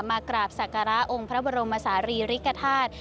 มากราบศักระองค์พระบรมศาลีริกฐาตุ